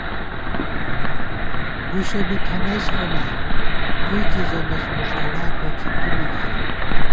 ہُݭہ بی تھنَئیس خو نئ ، ووئی کی ژَمېس مُݭاڑا کوڅی تُوبی گِر